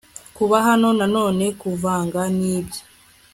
kuba hano nanone kuvanga nibye